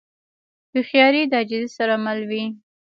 هوښیاري د عاجزۍ سره مل وي.